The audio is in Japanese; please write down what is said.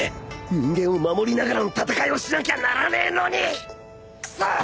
人間を守りながらの戦いをしなきゃならねえのに！くそ！